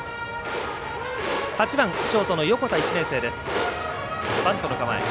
８番、ショートの横田、１年生。